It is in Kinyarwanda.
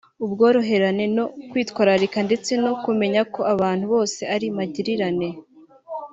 ubworoherane no kwitwararika ndetse no kumenya ko abantu bose ari magirirane